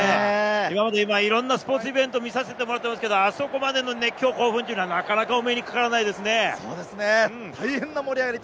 いろんなスポーツイベントを見せてもらっていますが、あそこまでの熱狂、興奮というのはなかなかお目にかからないですね。